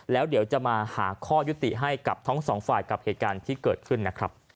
แล้วเดี๋ยวจะมาหาข้อยุติให้กับทั้งสองฝ่ายกับเหตุการณ์ที่เกิดขึ้นนะครับ